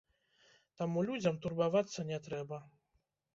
Таму людзям турбавацца не трэба.